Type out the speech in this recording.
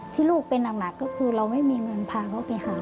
ลูกเป็นหนักก็คือเราไม่มีเงินพาเขาไปหา